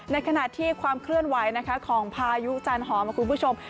ในขณะที่ความเคลื่อนไหวของพายุจานหอม